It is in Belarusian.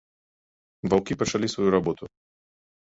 Ваўкі пачалі сваю работу.